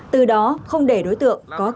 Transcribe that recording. từ đó không để đối tượng có cơ hội gây án